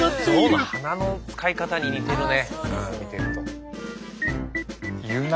ゾウの鼻の使い方に似てるね。